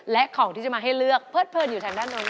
และของที่จะมาให้เลือกเพิร์ชเพิ่มอยู่ทางด้านโน้นค่ะ